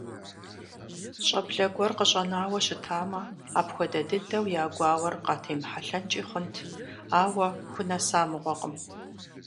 ЩӀэблэ гуэр къыщӀэнауэ щытамэ, апхуэдэ дыдэу я гуауэр къатемыхьэлъэнкӀи хъунт, ауэ хунэса мыгъуэкъым…